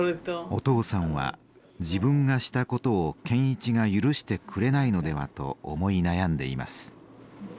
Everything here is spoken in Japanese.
お父さんは自分がしたことを健一が許してくれないのではと思い悩んでいます。